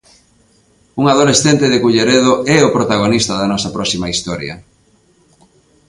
Un adolescente de Culleredo é o protagonista da nosa próxima historia.